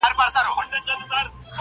نر او ښځو به نارې وهلې خدایه!!